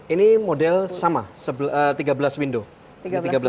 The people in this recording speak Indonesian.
ini model sama tiga belas window